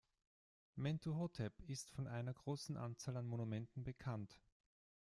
Mentuhotep ist von einer großen Anzahl an Monumenten bekannt.